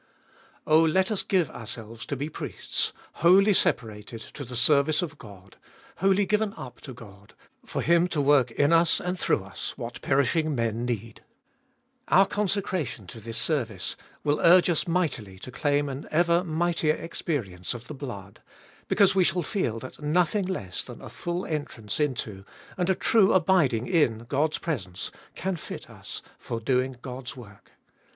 Oh let us give ourselves to be priests, wholly separated to the service of God, wholly given up to God, for Him to work in us and through us what perishing men need, — our consecration to this service will urge us mightily to claim an ever mightier experience of the blood, because we shall feel that nothing less than a full entrance into, and a true abiding in God's presence, can fit us for doing God's work.